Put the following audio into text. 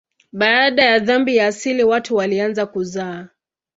Baada ya dhambi ya asili watu walianza kuzaa.